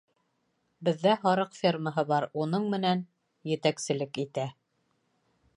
Беҙҙә һарыҡ фермаһы бар, уның менән... етәкселек итә.